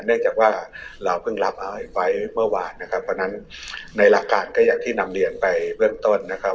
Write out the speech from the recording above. เนื่องจากว่าเราเพิ่งรับเอาไว้เมื่อวานนะครับเพราะฉะนั้นในหลักการก็อย่างที่นำเรียนไปเบื้องต้นนะครับ